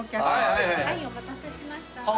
はいお待たせしました。